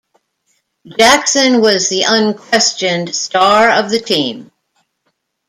Jackson was the unquestioned star of the team.